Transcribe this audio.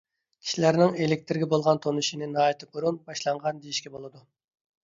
كىشىلەرنىڭ ئېلېكتىرگە بولغان تونۇشىنى ناھايىتى بۇرۇن باشلانغان دېيىشكە بولىدۇ.